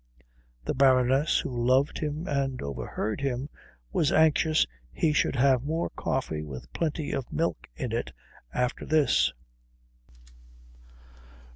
The Baroness, who loved him and overheard him, was anxious he should have more coffee with plenty of milk in it after this.